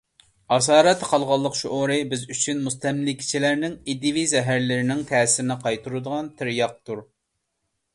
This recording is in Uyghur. «ئاسارەتتە قالغانلىق» شۇئۇرى بىز ئۈچۈن مۇستەملىكىچىلەرنىڭ ئىدىيەۋى زەھەرلىرىنىڭ تەسىرىنى قايتۇرىدىغان تىرياقتۇر.